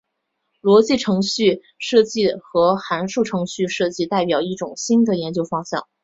逻辑程序设计和函数程序设计代表一种新的研究方向。